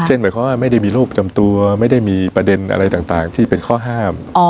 หมายความว่าไม่ได้มีโรคจำตัวไม่ได้มีประเด็นอะไรต่างที่เป็นข้อห้าม